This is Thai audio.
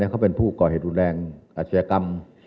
เค้าเป็นพวกเป็นผู้ก่อเหตุอุทหารแห่งอัตโฉยกรรม